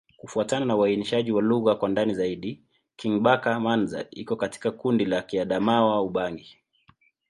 Kufuatana na uainishaji wa lugha kwa ndani zaidi, Kingbaka-Manza iko katika kundi la Kiadamawa-Ubangi.